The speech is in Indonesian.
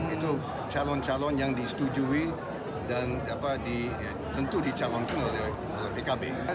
itu calon calon yang disetujui dan tentu dicalonkan oleh pkb